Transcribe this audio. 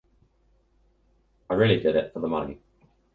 I really did it for the money.